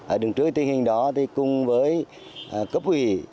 ở đứng trước tình hình đó thì cùng với cấp ủy